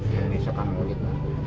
ya besok kan mulit